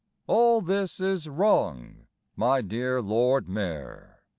All this is wrong, my dear Lord Mayor.